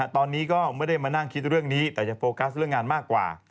ตอนนี้ก็ไม่ได้มานั่งคิดเรื่องนี้แต่จะโฟกัสเรื่องงานมากกว่า